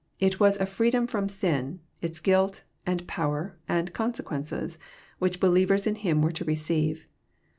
It was a Areedom from sin, its guilt, and power, and consequences, which believ ers in Him were to receive.